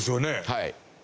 はい。